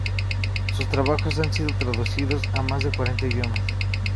Sus trabajos han sido traducidos a más de cuarenta idiomas.